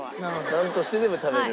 なんとしてでも食べる。